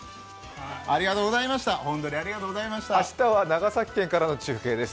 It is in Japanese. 明日は長崎県からの中継です。